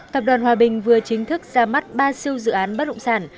tập đoàn hòa bình vừa chính thức ra mắt ba siêu dự án bất động sản